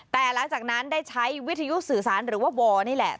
แต่หลังจากนั้นได้ใช้วิทยุสื่อสารหรือว่าวอนี่แหละ